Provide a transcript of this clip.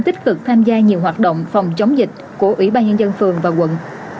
tích cực tham gia nhiều hoạt động phòng chống dịch của ủy ban nhân dân phường và quận